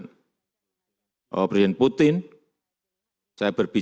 sebelumnya ketemu yang sumbernya sendiri presiden zelensky dan presiden putin